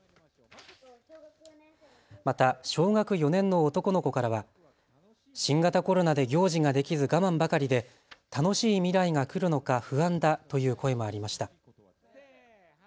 また小学４年の男の子からは新型コロナで行事ができず我慢ばかりで楽しい未来が来るのか不安だという声もありました。